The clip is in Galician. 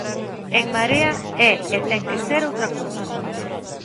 En Marea é e ten que ser outra cousa.